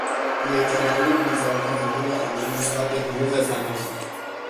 بیاعتنایی بیزار کنندهی آنان نسبت به حقوق زنان